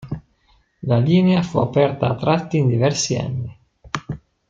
La linea fu aperta a tratti in diversi anni.